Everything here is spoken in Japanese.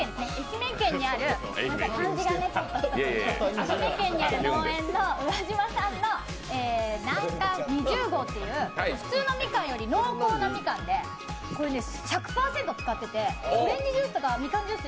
愛媛県にある農園の宇和島産の南柑２０号という普通のみかんより濃厚なみかんでこれ、１００％使っててオレンジジュースとかみかんジュース